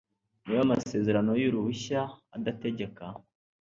niba amasezerano y uruhushya adategeka